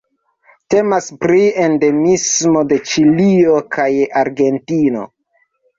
Temas pri endemismo de Ĉilio kaj Argentino.